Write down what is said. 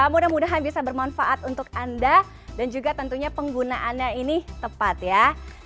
mudah mudahan bisa bermanfaat untuk anda dan juga tentunya penggunaannya ini tepat ya